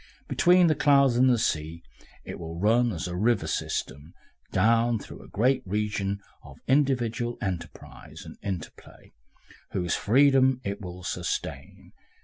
Between the clouds and the sea it will run, as a river system runs, down through a great region of individual enterprise and interplay, whose freedom it will sustain.